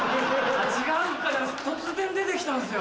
違うんか突然出てきたんすよ。